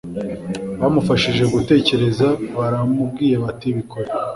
bamufashije gutekereza baramubwiye bati bikore